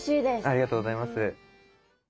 ありがとうございます。